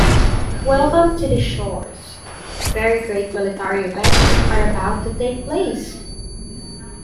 Welcome to these shores, very great military events are about to take place!